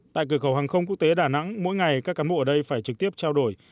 tại cửa khẩu hàng không quốc tế đà nẵng mỗi ngày các cán bộ ở đây phải trực tiếp trao đổi